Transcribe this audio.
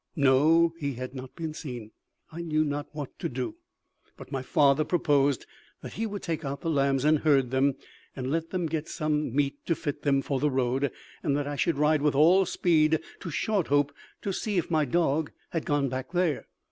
No; he had not been seen. I knew not what to do; but my father proposed that he would take out the lambs and herd them, and let them get some meat to fit them for the road, and that I should ride with all speed to Shorthope to see if my dog had gone back there.